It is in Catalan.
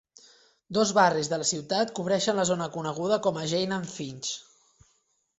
Dos barris de la ciutat cobreixen la zona coneguda com "Jane and Finch".